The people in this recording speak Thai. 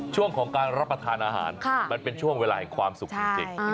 ช่วงของการรับประทานอาหารมันเป็นช่วงเวลาแห่งความสุขจริง